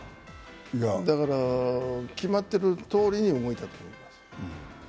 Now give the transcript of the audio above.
だから決まってるとおりに動いたと思います。